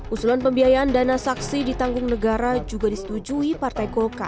usulan pembiayaan dana saksi ditanggung negara juga disetujui partai golkar